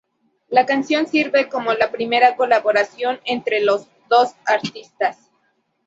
La canción sirve como la primera colaboración entre los dos artistas.